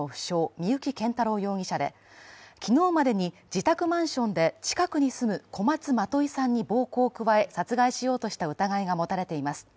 三幸謙太郎容疑者で昨日までに自宅マンションで近くに住む小松まといさんに暴行を加え殺害しようとした疑いが持たれています。